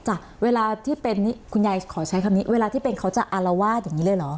เวลาที่เป็นนี่คุณยายขอใช้คำนี้เวลาที่เป็นเขาจะอารวาสอย่างนี้เลยเหรอ